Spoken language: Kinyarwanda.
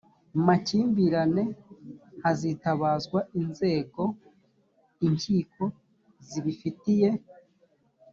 makimbirane hazitabazwa inzego inkiko zibifitiye